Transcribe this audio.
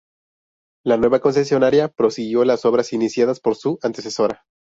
La nueva concesionaria prosiguió las obras iniciadas por su antecesora.